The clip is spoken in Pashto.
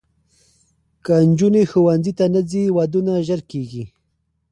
که نجونې ښوونځي ته نه ځي، ودونه ژر کېږي.